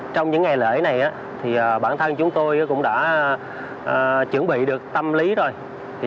trong những ngày lễ này thì bản thân chúng tôi cũng đã chuẩn bị được tâm lý rồi